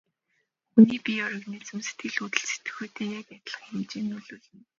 Хүний бие организм нь сэтгэл хөдлөлд сэтгэхүйтэй яг адилхан хэмжээнд нөлөөлнө.